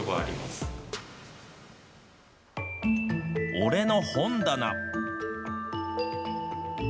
俺の本棚。